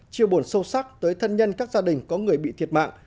chia buồn sâu sắc tới thân nhân các gia đình có người bị thiệt mạng